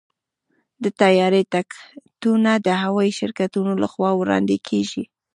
د طیارې ټکټونه د هوايي شرکتونو لخوا وړاندې کېږي.